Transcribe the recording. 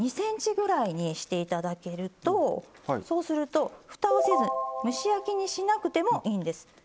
２ｃｍぐらいにしていただくとそうすると、ふたをせず蒸し焼きにしなくてもいいんです。